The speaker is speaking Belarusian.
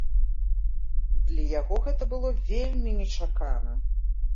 Для яго гэта было вельмі нечакана.